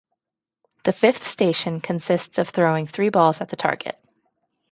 The fifth station consists of throwing three balls at the target.